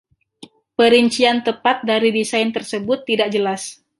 Perincian tepat dari desain tersebut tidak jelas.